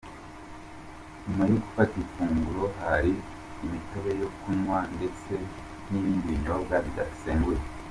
Nyuma yo gufata ifunguro hari imitobe yo kunywa ndetse n'ibindi binyobwa bidasembuye.